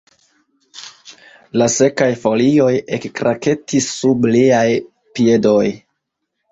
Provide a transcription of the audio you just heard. La sekaj folioj ekkraketis sub liaj piedoj.